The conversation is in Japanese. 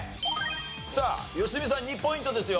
さあ良純さん２ポイントですよ。